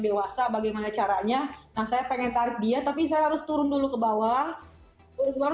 dewasa bagaimana caranya nah saya pengen tarik dia tapi saya harus turun dulu ke bawah